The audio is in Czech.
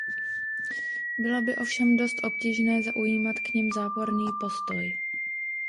Bylo by ovšem dost obtížné zaujímat k nim záporný postoj.